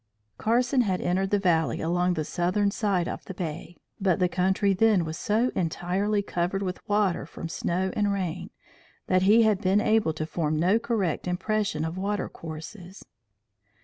"Carson had entered the valley along the southern side of the bay, but the country then was so entirely covered with water from snow and rain, that he had been able to form no correct impression of watercourses.